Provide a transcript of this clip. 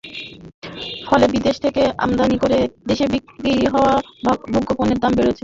ফলে বিদেশ থেকে আমদানি করে দেশে বিক্রি হওয়া ভোগ্যপণ্যের দাম বেড়েছে।